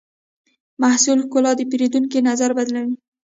د محصول ښکلا د پیرودونکي نظر بدلونوي.